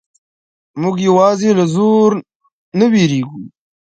موږ یوازې له زور نه وېریږو.